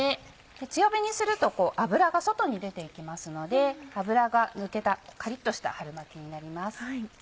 強めにすると油が外に出て行きますので油が抜けたカリっとした春巻きになります。